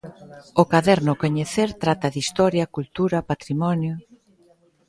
O caderno 'Coñecer' trata de historia, cultura, patrimonio...